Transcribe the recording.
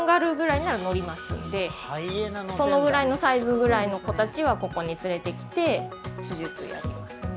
そのぐらいのサイズぐらいの子達はここに連れてきて手術やりますね